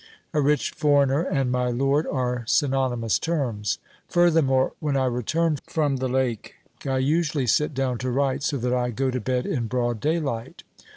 A rich foreigner and my lord are synonymous terms. Furthermore, when I return from the lake, I usually sit down to write, so that I go to bed in broad daylight.